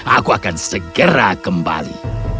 aku akan segera kembali